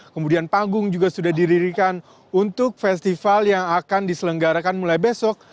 kemudian panggung juga sudah didirikan untuk festival yang akan diselenggarakan mulai besok